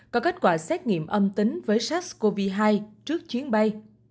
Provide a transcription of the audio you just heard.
có kết quả xét nghiệm âm tính với sars cov hai trước chuyến bay